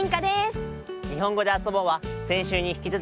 「にほんごであそぼ」はせんしゅうにひきつづき